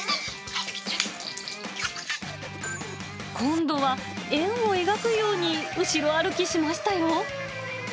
今度は円を描くように後ろ歩きしましたよ。